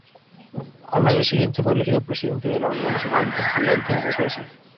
Al año siguiente, fue elegido presidente de la Unión Nacional de Estudiantes de Suecia.